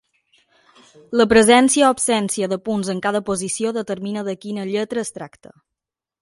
La presència o absència de punts en cada posició determina de quina lletra es tracta.